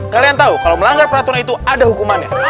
kalian tahu kalau melanggar peraturan itu ada hukumannya